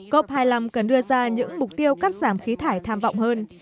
cop hai mươi năm cần đưa ra những mục tiêu cắt giảm khí thải tham vọng hơn